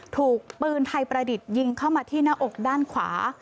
ถูกปืนไทยประดิษฐ์ยิงเข้ามาที่หน้าอกด้านขวา